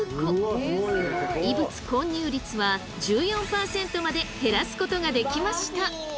異物混入率は１４％まで減らすことができました！